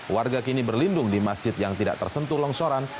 warga kini berlindung di masjid yang tidak tersentuh longsoran